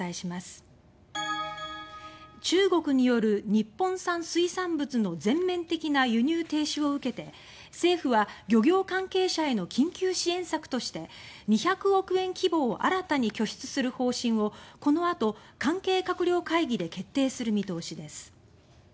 中国による日本産水産物の全面的な輸入停止を受けて政府は、漁業関係者への緊急支援策として２００億円規模を新たに拠出する方針をこの後、関係閣僚会議で決定する見通しです。